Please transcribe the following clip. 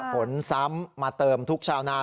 ฝนซ้ำมาเติมทุกชาวนา